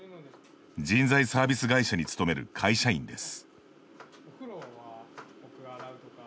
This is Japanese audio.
人材サービス会社に勤める会社員です。